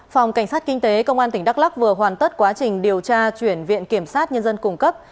phòng cảnh sát kinh tế công an tỉnh đắk lắc vừa hoàn tất quá trình điều tra chuyển viện kiểm sát nhân dân cung cấp